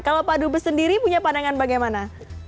kalau pak dubes sendiri punya pandangan bagaimana